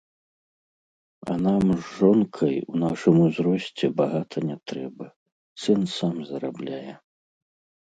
А нам з жонкай у нашым узросце багата не трэба, сын сам зарабляе.